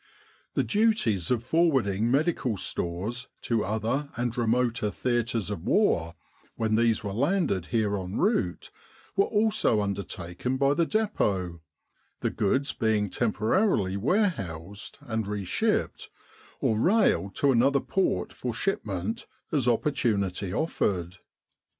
The duties of forwarding medical stores to other and remoter theatres of war, when these were landed here en route, were also undertaken by the Depot, the goods being temporarily warehoused, and reshipped, or railed to another port for shipment, as opportunity offered.